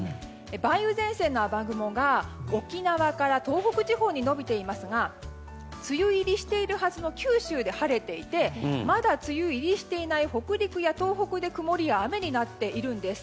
梅雨前線の雨雲が沖縄から東北地方に伸びていますが梅雨入りしているはずの九州で晴れていてまだ梅雨入りしていない北陸や東北で曇りや雨になっているんです。